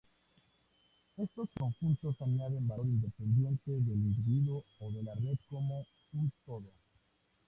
Estos subconjuntos añaden valor independiente del individuo o de la red como un todo.